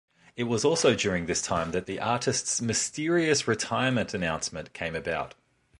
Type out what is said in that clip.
It was also during this time that the artist's mysterious retirement announcement came about.